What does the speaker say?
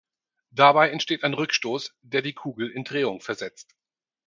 Dabei entsteht ein Rückstoß, der die Kugel in Drehung versetzt.